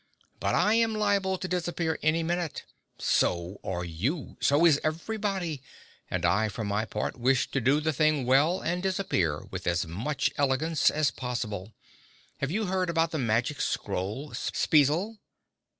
"But I'm liable to disappear any minute. So are you. So is everybody, and I, for my part, wish to do the thing well and disappear with as much elegance as possible. Have you heard about the magic scroll, Spezzle?"